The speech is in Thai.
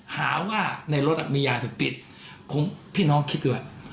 หาว่าในรถมียาเสพติดคงพี่น้องคิดด้วย